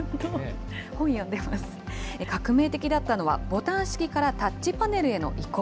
革命的だったのは、ボタン式からタッチパネルへの移行。